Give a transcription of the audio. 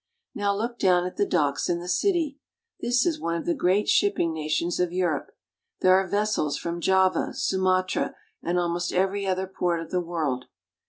Now look down at the docks in the city ! This is one of the great shipping stations of Europe. There are vessels from Java, Sumatra, and almost every other part of the world.